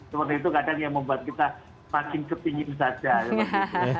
seperti itu kadang yang membuat kita makin kepingin saja